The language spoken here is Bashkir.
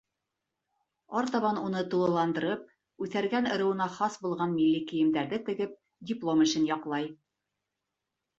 Артабан уны тулыландырып, Үҫәргән ырыуына хас булған милли кейемдәрҙе тегеп, диплом эшен яҡлай.